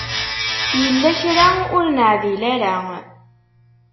Yella kra ur neɛdil ara.